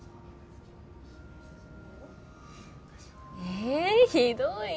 ええひどい。